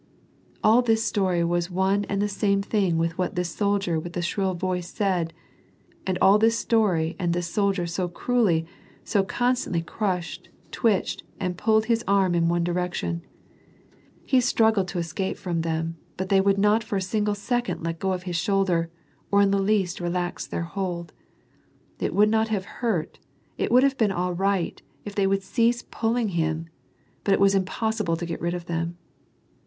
All this story was one and the same thing with what this soldier w^ith the shrill voice said, and all this story and this soldier so cruelly, so constantly crushed, twitched, and pulled his arm in one direction ! He struggled to escape from them, but they would not for a single second let go of his shoulder, or in the least relax their hold. It would not have hurt, it would have been all right, if they would cease pulling him ; but it was impossible to get rid of them.